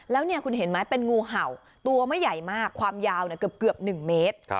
แล้วเนี่ยคุณเห็นไหมเป็นงูเห่าตัวไม่ใหญ่มากความยาวเกือบ๑เมตร